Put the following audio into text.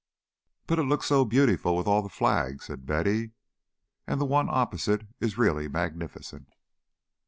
"But it looks so beautiful with all the flags," said Betty, "and the one opposite is really magnificent."